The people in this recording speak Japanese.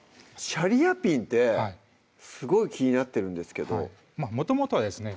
「シャリアピン」ってすごい気になってるんですけどもともとはですね